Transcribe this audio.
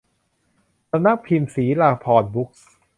สำนักพิมพ์ศิราภรณ์บุ๊คส์